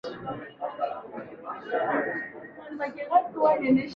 Anaweza kucheza kama winga au kiungo mshambuliaji.